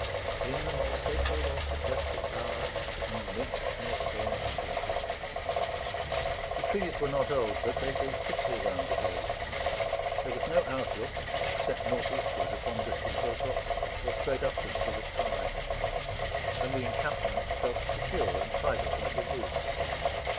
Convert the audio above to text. "In a more sacred or sequestered bower ... nor nymph nor faunus haunted." The trees were not old, but they grew thickly round the glade: there was no outlook, except north eastward upon distant hill tops, or straight upward to the sky; and the encampment felt secure and private like a room.